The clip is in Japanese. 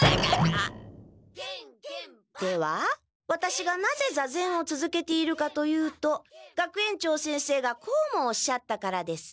ではワタシがなぜ座禅をつづけているかというと学園長先生がこうもおっしゃったからです。